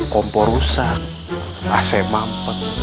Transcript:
kompor rusak ac mampet